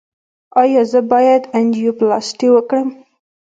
ایا زه باید انجیوپلاسټي وکړم؟